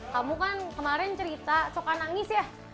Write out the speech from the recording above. kamu kan kemarin cerita suka nangis ya